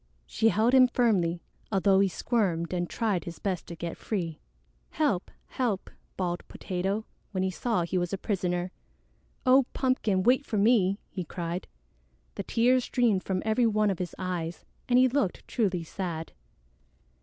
She held him firmly, although he squirmed and tried his best to get free. "Help! Help!" bawled Potato, when he saw he was a prisoner. "Oh, Pumpkin, wait for me!" he cried. The tears streamed from every one of his eyes, and he looked truly sad.